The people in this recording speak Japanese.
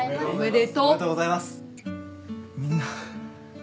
みんな。